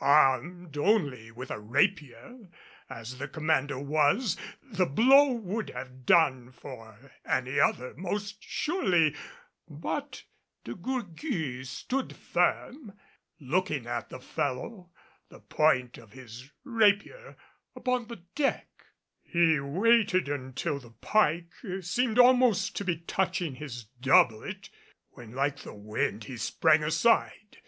Armed only with a rapier as the commander was, the blow would have done for any other most surely. But De Gourgues stood firm, looking at the fellow, the point of his rapier upon the deck. He waited until the pike seemed almost to be touching his doublet, when like the wind he sprang aside.